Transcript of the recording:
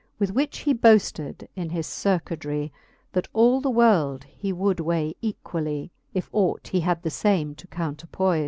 With which he boafted in his furquedrie, That all the world he would weigh equallie, If ought he had the fame to counterpoys.